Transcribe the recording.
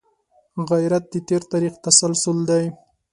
غیرت د تېر تاریخ تسلسل دی